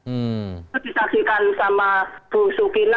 itu disaksikan sama bu sukina